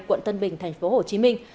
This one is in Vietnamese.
quận tân bình thành phố hồ chí minh